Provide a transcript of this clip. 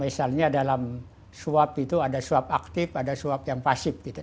misalnya dalam suap itu ada suap aktif ada suap yang pasif gitu